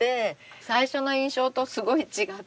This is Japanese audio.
最初の印象とすごい違って。